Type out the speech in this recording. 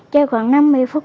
chơi khoảng năm mươi phút